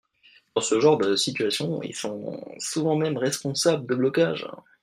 Dans ce genre de situations, ils sont souvent même responsables de blocages.